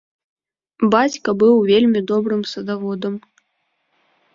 Бацька быў вельмі добрым садаводам.